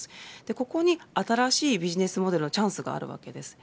ここに新しいビジネスモデルのチャンスがあるわけです。